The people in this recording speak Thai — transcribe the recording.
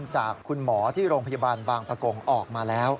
จากคุณหมอที่โรงพยาบาลบางประกงออกมาแล้ว